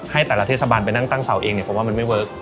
ให้แต่ละเทศบาลไปนั่งตั้งเสาเองเนี่ยผมว่ามันไม่เวิร์ค